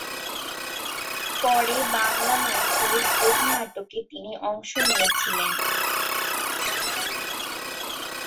পরে বাংলা মঞ্চের বহু নাটকে তিনি অংশ নিয়েছিলেন।